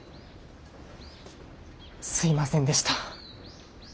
すいませんでした。